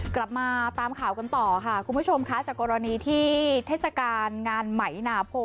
กลับมาตามข่าวกันต่อค่ะคุณผู้ชมค่ะจากกรณีที่เทศกาลงานไหมนาโพ